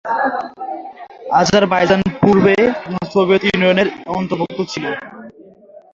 Azerbaijan পূর্বে Soviet Union এর অন্তর্ভুক্ত ছিল।